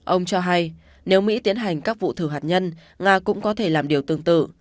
ông cho hay nếu mỹ tiến hành các vụ thử hạt nhân nga cũng có thể làm điều tương tự